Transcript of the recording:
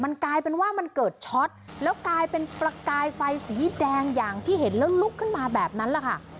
มันกลายเป็นว่ามันเกิดช็อตแล้วกลายเป็นประกายไฟสีแดงอย่างที่เห็นแล้วลุกขึ้นมาแบบนั้นแหละค่ะ